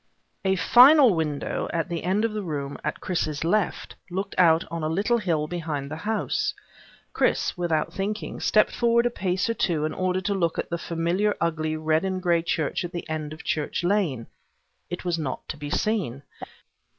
A final window at the end of the room, at Chris's left, looked out on a little hill behind the house. Chris, without thinking, stepped forward a pace or two in order to look for the familiar ugly red and gray church at the end of Church Lane. It was not to be seen.